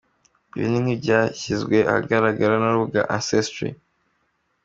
Ibi ni nk’ibyashyizwe ahagaragara n’urubuga Ancestry.